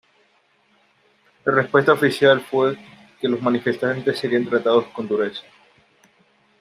La respuesta oficial fue que los manifestantes serían tratados con dureza.